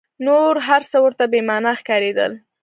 نور هر څه ورته بې مانا ښکارېدل.